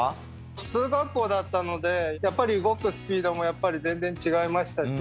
普通学校だったのでやっぱり動くスピードも全然違いましたし